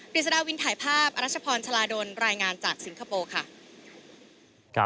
ฤษฎาวินถ่ายภาพอรัชพรชลาดลรายงานจากสิงคโปร์ค่ะ